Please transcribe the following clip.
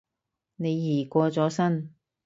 李怡過咗身